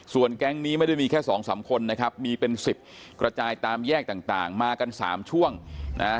ส่วนแก๊งนี้ไม่ได้มีแค่๒๓คนนะครับมีเป็น๑๐กระจายตามแยกต่างมากัน๓ช่วงนะฮะ